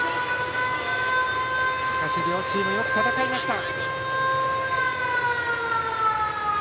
両チーム、よく戦いました。